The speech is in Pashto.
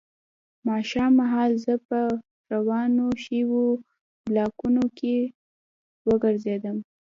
ماښام مهال زه په ورانو شویو بلاکونو کې وګرځېدم